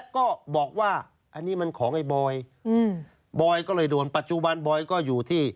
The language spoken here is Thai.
จนปัจจุบันบอยก็อยู่ที่